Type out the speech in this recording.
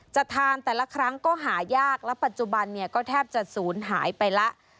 จะทานแต่ละครั้งก็หายากและปัจจุบันเนี่ยก็แทบจะศูนย์หายไปแล้ว